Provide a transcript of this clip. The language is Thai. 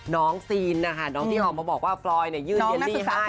น้องที่ออกมาบอกว่าปรอยยื่นเยอร์ลี่ให้